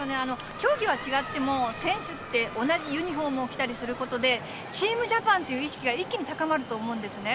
競技は違っても、選手って同じユニホームを着たりすることで、チームジャパンという意識が一気に高まると思うんですね。